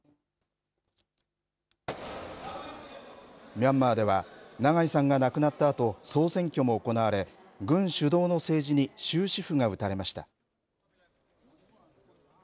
ミャンマーでは長井さんが亡くなったあと総選挙も行われ、軍主導の政治に終止符が打たれました。